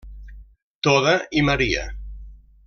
Toda i Maria.